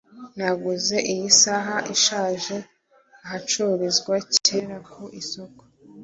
naguze iyi saha ishaje ahacururizwa kera ku isoko